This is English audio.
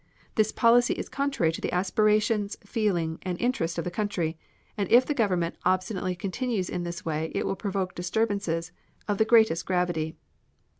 This policy is contrary to the aspirations, feeling and interests of the country, and if the Government obstinately continues in this way it will provoke disturbances of the greatest gravity."